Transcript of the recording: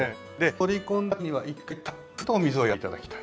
取り込んだ時には一回たっぷりとお水をやって頂きたい。